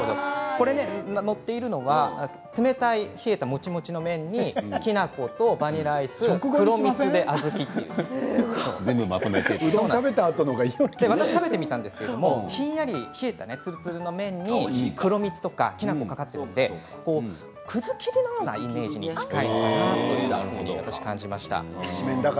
載っているのは冷たい冷えたもちもちの麺にきな粉とバニラアイス黒蜜で小豆私、食べてみたんですけどひんやり冷えたつるつるの麺に黒蜜とかきな粉かかっているのでくずきりのようなイメージに近いかなと感じました。